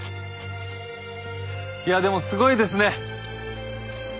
いやあでもすごいですね。